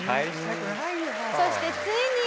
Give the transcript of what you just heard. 「そしてついに」